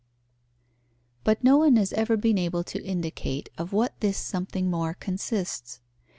_ But no one has ever been able to indicate of what this something more consists.